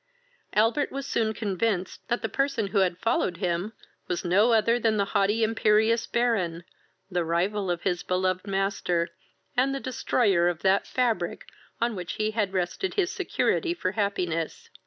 Albert was soon convinced that he person who had followed him was no other than the haughty imperious Baron, the rival of his beloved master, and the destroyer of that fabric on which he had rested his security for happiness.